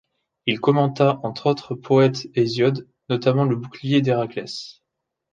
Il commenta entre autres poètes Hésiode, notamment le Bouclier d'Héraclès.